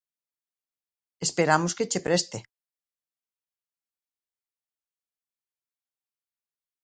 Esperamos que che preste.